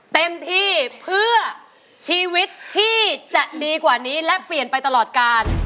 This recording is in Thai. เต็มที่เพื่อชีวิตที่จะดีกว่านี้และเปลี่ยนไปตลอดกาล